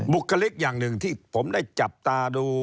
บุคลิกอย่างหนึ่งที่ผมได้จับตาดู